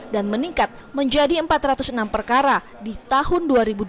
dan meningkat menjadi empat ratus enam perkara di tahun dua ribu dua puluh